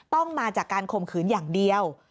ต้องมาจากการข่มขืนอย่างเดียว